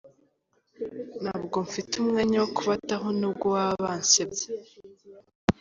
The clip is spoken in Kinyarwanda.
Ntabwo mfite umwanya wo kubataho n’ubwo baba bansebya.